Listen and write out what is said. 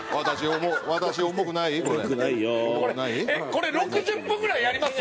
これ６０分ぐらいやります？